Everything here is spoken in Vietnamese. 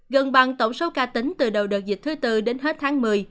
gần bằng tổng số ca tính từ đầu đợt dịch thứ tư đến hết tháng một mươi